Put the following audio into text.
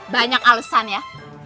banyak alesan ya